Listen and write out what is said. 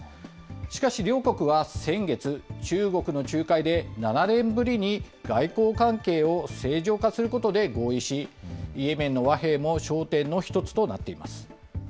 しかし両国は先月、中国の仲介で７年ぶりに外交関係を正常化することで合意し、イエメンの和平も焦点の一つとなっています。